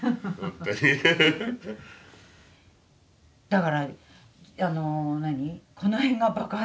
だからあの何？